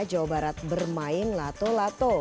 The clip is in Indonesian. jawa barat bermain lato lato